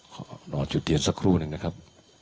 ขอรอจุดยืนสักครู่หนึ่งนะครับ